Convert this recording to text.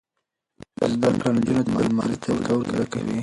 زده کړه نجونو ته د لمانځه طریقه ور زده کوي.